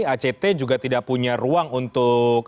act juga tidak punya ruang untuk